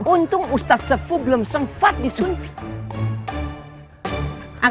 untung ustadz sepuh belum sempat disuntik